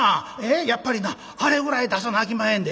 やっぱりなあれぐらい出さなあきまへんで。